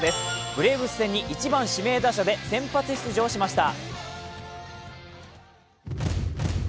ブレーブス戦に１番指名打者で先発出場しました。